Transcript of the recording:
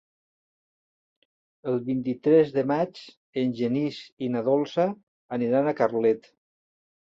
El vint-i-tres de maig en Genís i na Dolça aniran a Carlet.